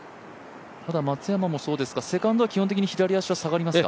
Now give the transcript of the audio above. ただ松山もそうですがセカンドは基本的に左下がりますか？